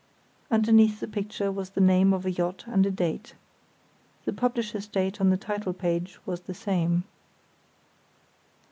Underneath the picture was the name of a yacht and a date. The publisher's date on the title page was the same.